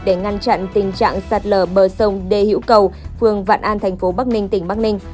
để ngăn chặn tình trạng sạt lở bờ sông đê hữu cầu phường vạn an thành phố bắc ninh tỉnh bắc ninh